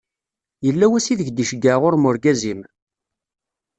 Yella wass ideg d-iceggeɛ ɣur-m urgaz-im?